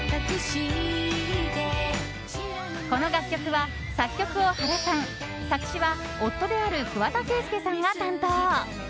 この楽曲は作曲を原さん、作詞は夫である桑田佳祐さんが担当。